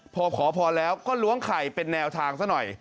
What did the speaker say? พอขอพรแล้วก็ล้วงไข่เป็นแนวทางซะหน่อย